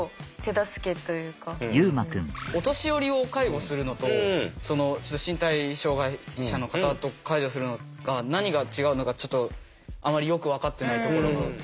お年寄りを介護するのと身体障害者の方を介助するのが何が違うのかちょっとあまりよく分かってないところが。